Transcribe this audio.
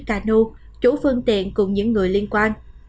ca nô chủ phương tiện cùng những người liên quan